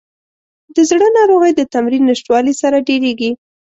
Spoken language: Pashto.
د زړه ناروغۍ د تمرین نشتوالي سره ډېریږي.